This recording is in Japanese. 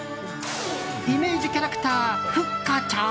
イメージキャラクターふっかちゃん？